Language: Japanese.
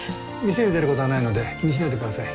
店に出ることはないので気にしないでください。